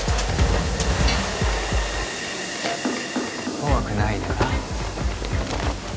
怖くないでな